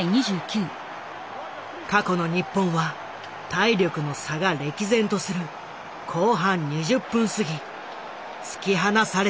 過去の日本は体力の差が歴然とする後半２０分すぎ突き放されてきた。